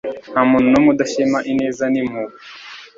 nta muntu n'umwe udashima ineza n'impuhwe